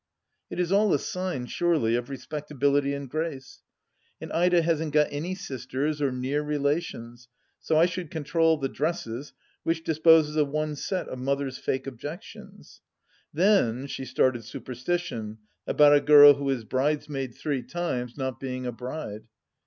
It is all a sign, surely, of respect ability and grace. And Ida hasn't got any sisters or near relations, so I should control the dresses, which disposes of one set of Mother's fake objections. Then she started superstition, about a girl who is bridesmaid three times not being a bride.